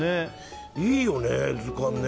いいよね、図鑑ね。